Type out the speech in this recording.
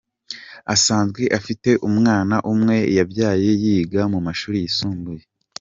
Asanzwe afite umwana umwe yabyaye yiga mu mashuri yisumbuye.